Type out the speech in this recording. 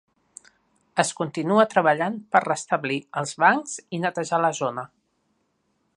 Es continua treballant per restablir els bancs i netejar la zona.